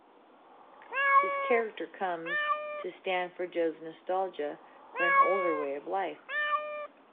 His character comes to stand for Joe's nostalgia for an older way of life.